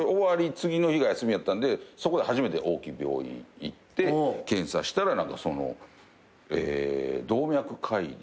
次の日が休みやったんでそこで初めて大きい病院行って検査したら動脈解離。